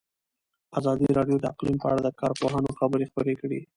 ازادي راډیو د اقلیم په اړه د کارپوهانو خبرې خپرې کړي.